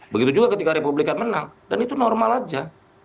begitu juga ketika republikan menang dan itu normal aja